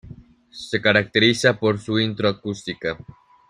Se caracteriza por su intro acústica.